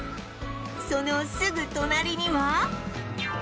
そのすぐ隣には